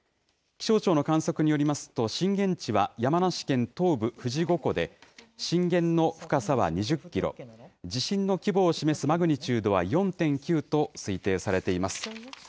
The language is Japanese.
気象庁の観測によりますと、震源地は山梨県東部富士五湖で、震源の深さは２０キロ、地震の規模を示すマグニチュードは４．９と推定されています。